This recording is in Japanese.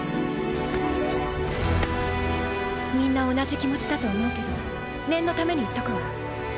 みんな同じ気持ちだと思うけど念のために言っとくわ。